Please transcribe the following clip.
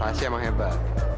masih emang hebat